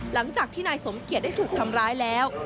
หลังจากที่นายสมเกียจได้ถูกทำร้ายแล้ว